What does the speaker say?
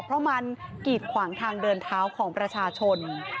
เพราะมันกีดขวางทางเดินเท้าของประชาชน